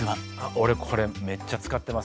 俺これめっちゃ使ってます。